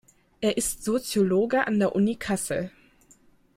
Er ist Soziologe an der Uni Kassel.